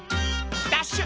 ダッシュ！